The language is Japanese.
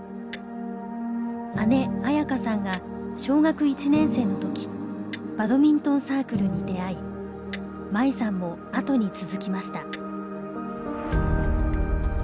姉紋可さんが小学１年生の時バドミントンサークルに出会い真衣さんも後に続きました。